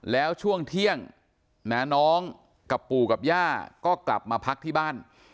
แล้วช่วงเที่ยงน้องกับปู่กับย่าก็กลับมาพักที่บ้าน